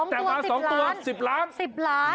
แต่มา๒ตัว๑๐ล้าน๑๐ล้าน